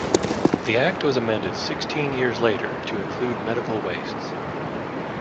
The Act was amended sixteen years later to include medical wastes.